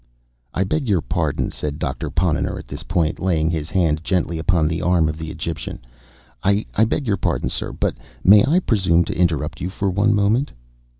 "I beg your pardon," said Doctor Ponnonner at this point, laying his hand gently upon the arm of the Egyptian—"I beg your pardon, sir, but may I presume to interrupt you for one moment?"